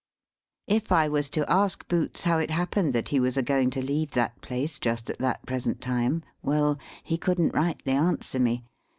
If I was to ask Boots how it happened that he was a going to leave that place just at that present time, well, he couldn't rightly answer me.